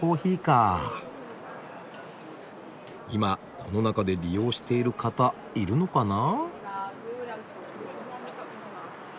今この中で利用している方いるのかな？